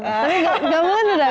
tapi gamelan udah